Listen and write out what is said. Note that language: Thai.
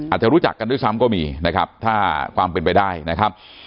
อาจจะรู้จักกันด้วยซ้ำก็มีนะครับถ้าความเป็นไปได้นะครับ